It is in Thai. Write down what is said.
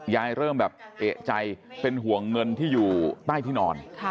เริ่มแบบเอกใจเป็นห่วงเงินที่อยู่ใต้ที่นอน